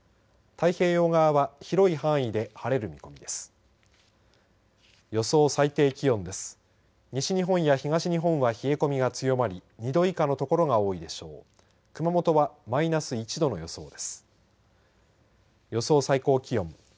太平洋側は広い範囲で晴れる見込みです。